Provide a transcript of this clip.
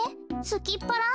すきっぱら？